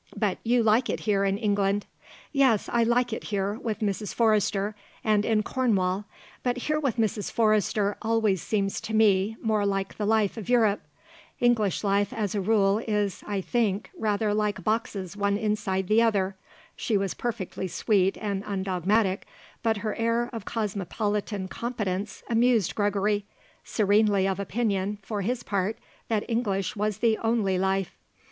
"But you like it here in England?" "Yes, I like it here, with Mrs. Forrester; and in Cornwall. But here with Mrs. Forrester always seems to me more like the life of Europe. English life, as a rule, is, I think, rather like boxes one inside the other." She was perfectly sweet and undogmatic, but her air of cosmopolitan competence amused Gregory, serenely of opinion, for his part, that English was the only life.